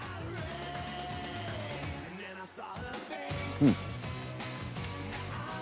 うん。